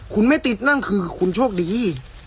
คุณไม่ติดนั่นคือคุณโชคดี